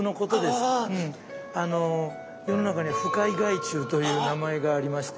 あの世の中には不快害虫という名前がありまして。